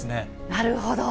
なるほど。